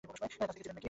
কবে থেকে চিনেন তাকে?